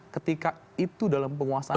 ketika itu dalam penguasaan